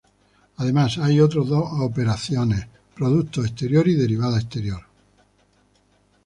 Además, hay otras dos operaciones: producto exterior y derivada exterior.